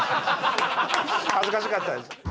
「恥ずかしかったです」！